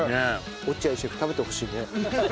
落合シェフ食べてほしいね。